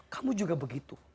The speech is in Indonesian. kamu juga begitu